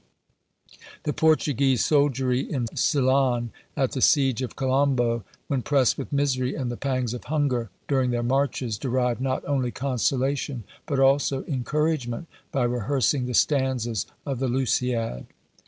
" The Portuguese soldiery in Ceylon, at the siege of Colombo, when pressed with misery and the pangs of hunger, during their marches, derived not only consolation, but also encouragement, by rehearsing the stanzas of the Lusiad.